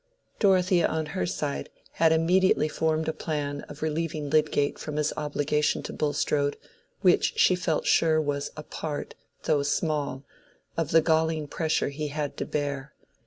Dorothea on her side had immediately formed a plan of relieving Lydgate from his obligation to Bulstrode, which she felt sure was a part, though small, of the galling pressure he had to bear.